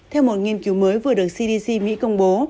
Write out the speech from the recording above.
theo một nghiên cứu mới vừa được cdc mỹ công bố